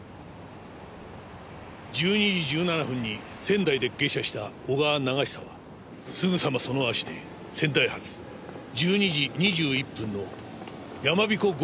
１２時１７分に仙台で下車した小川長久はすぐさまその足で仙台発１２時２１分のやまびこ５２号で郡山に向かった。